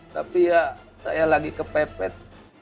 tapi ya saya lagi kepepet